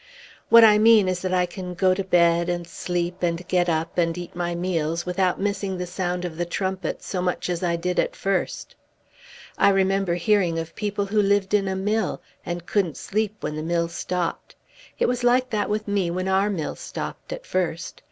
"What I mean is that I can go to bed, and sleep, and get up and eat my meals without missing the sound of the trumpets so much as I did at first. I remember hearing of people who lived in a mill, and couldn't sleep when the mill stopped. It was like that with me when our mill stopped at first.